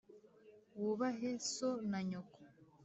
“Wubahe so na nyoko.”